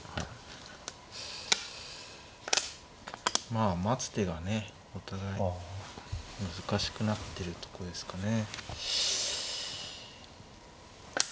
まあ待つ手がねお互い難しくなってるとこですかね。